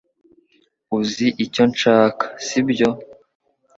Uzi icyo nshaka sibyo